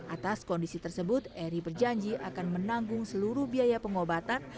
atas kondisi tersebut eri berjanji akan menanggung seluruh biaya pengobatan